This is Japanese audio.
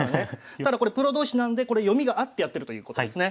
ただこれプロ同士なんでこれ読みがあってやってるということですね。